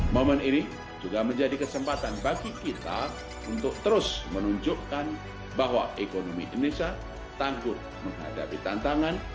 momen ini juga menjadi kesempatan bagi kita untuk terus menunjukkan bahwa ekonomi indonesia tangguh menghadapi tantangan